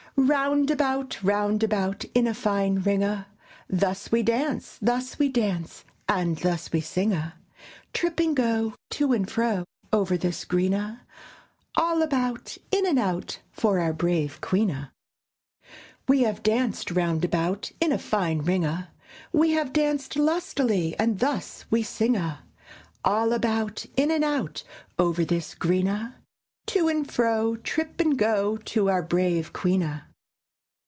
Round about, round about, in a fine ring a, Thus we dance, thus we dance, and thus we sing a; Trip and go, to and fro, over this green a, All about, in and out, for our brave Queen a. We have danced round about, in a fine ring a, We have danced lustily, and thus we sing a; All about, in and out, over this green a, To and fro, trip and go, to our brave Queen a.